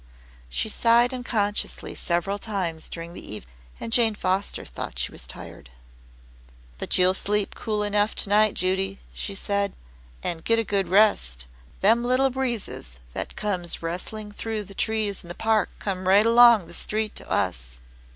She sighed unconsciously several times during the evening, and Jane Foster thought she was tired. "But you'll sleep cool enough to night, Judy," she said. "And get a good rest. Them little breezes that comes rustling through the trees in the Park comes right along the street to us."